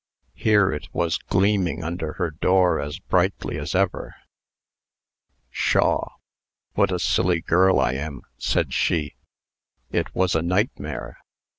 Here it was gleaming under her door as brightly as ever. "Pshaw! what a silly girl I am!" said she. "It was a nightmare.